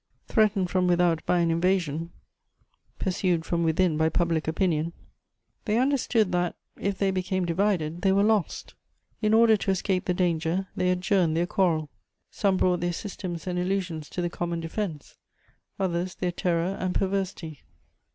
Threatened from without by an invasion, pursued from within by public opinion, they understood that, if they became divided, they were lost: in order to escape the danger, they adjourned their quarrel; some brought their systems and illusions to the common defense, others their terror and perversity.